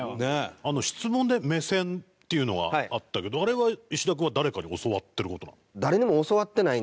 あの質問で目線っていうのがあったけどあれは石田君は誰かに教わってる事なの？